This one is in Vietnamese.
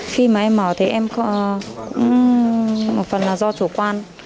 khi mà em mở thì em cũng một phần là do chủ quan